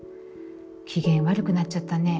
『機嫌悪くなっちゃったね』